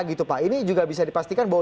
gitu pak ini juga bisa dipastikan bahwa